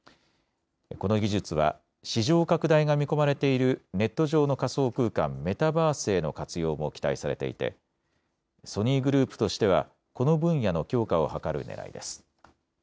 この技術は市場拡大が見込まれているネット上の仮想空間、メタバースへの活用も期待されていてソニーグループとしては、この分野の強化を図るねらいです。